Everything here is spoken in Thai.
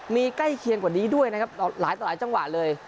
มีใกล้เคียงกว่านี้ด้วยนะครับหลายต่อหลายจังหวะเลย